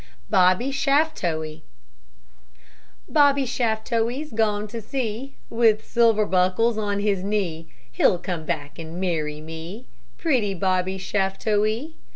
BOBBY SHAFTOE Bobby Shaftoe's gone to sea, With silver buckles on his knee: He'll come back and marry me, Pretty Bobby Shaftoe!